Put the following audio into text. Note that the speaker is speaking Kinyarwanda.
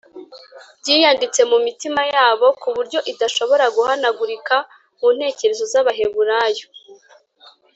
byiyanditse mu mitima yabo ku buryo itashoboraga guhanagurika mu ntekerezo z’abaheburayo.